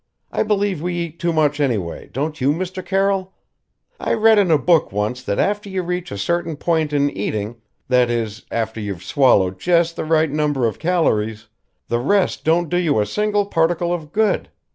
I believe we eat too much anyway, don't you, Mr. Carroll? I read in a book once that after you reach a certain point in eating that is, after you've swallowed just the right number of calories the rest don't do you a single particle of good.